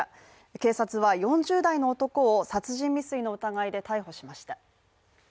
警察は４０代の男を殺人未遂の疑いで逮捕しました。